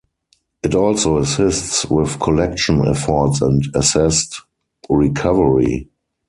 It also assists with collection efforts and asset recovery.